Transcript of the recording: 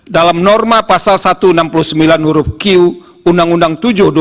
dalam norma pasal satu ratus enam puluh sembilan huruf q undang undang tujuh dua ribu tujuh belas